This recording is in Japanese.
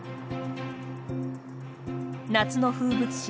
夏の風物詩